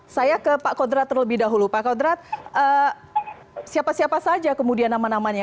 saya ke pak kodrat terlebih dahulu pak kodrat siapa siapa saja kemudian nama namanya